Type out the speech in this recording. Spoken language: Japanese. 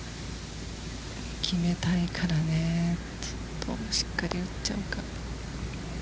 決めたいからね、ちょっとしっかり打っちゃうかな。